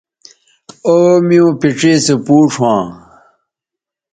او میوں پڇے سو پوڇ ھواں